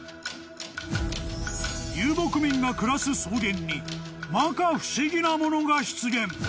［遊牧民が暮らす草原にまか不思議なものが出現］